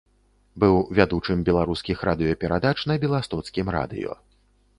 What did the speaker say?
Быў вядучым беларускіх радыёперадач на беластоцкім радыё.